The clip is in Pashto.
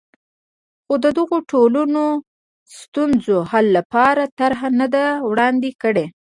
خو د دغو ټولنو ستونزو حل لپاره طرحه نه ده وړاندې کړې.